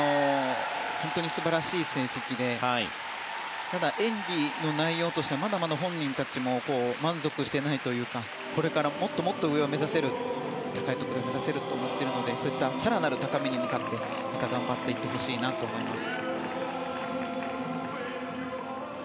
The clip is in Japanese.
本当に素晴らしい成績でただ、演技の内容としてはまだまだ本人たちも満足してないというか、これからもっともっと上を目指せる高いところを目指せると思っているのでそういった更なる高みに向かってまた頑張っていってほしいなと思います。